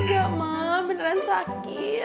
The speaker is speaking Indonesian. nggak ma beneran sakit